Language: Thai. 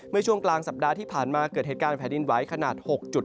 เมื่อช่วงกลางสัปดาห์ที่ผ่านมาเกิดเหตุการณ์แผ่นดินไหวขนาด๖จุด